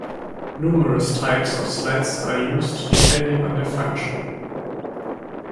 Numerous types of sleds are used, depending on their function.